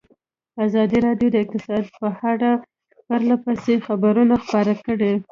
ازادي راډیو د اقتصاد په اړه پرله پسې خبرونه خپاره کړي.